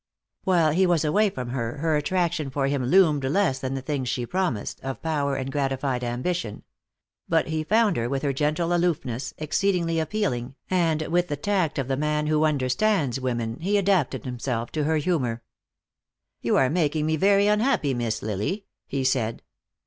While he was away from her, her attraction for him loomed less than the things she promised, of power and gratified ambition. But he found her, with her gentle aloofness, exceedingly appealing, and with the tact of the man who understands women he adapted himself to her humor. "You are making me very unhappy; Miss Lily," he said.